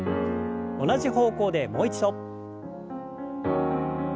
同じ方向でもう一度。